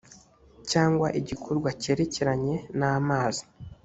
cyangwa igikorwa cyerekeranye n amazi